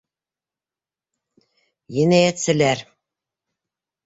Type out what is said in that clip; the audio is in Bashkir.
Енәйәтселәр.